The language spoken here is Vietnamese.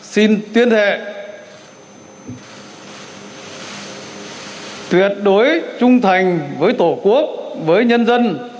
xin tuyên thệ tuyệt đối trung thành với tổ quốc với nhân dân